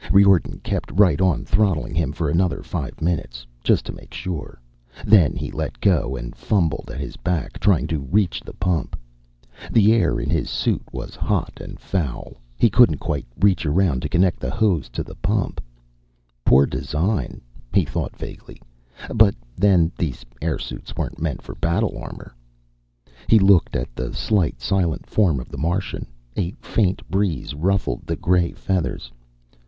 Riordan kept right on throttling him for another five minutes, just to make sure. Then he let go and fumbled at his back, trying to reach the pump. The air in his suit was hot and foul. He couldn't quite reach around to connect the hose to the pump Poor design, he thought vaguely. But then, these airsuits weren't meant for battle armor. He looked at the slight, silent form of the Martian. A faint breeze ruffled the gray feathers.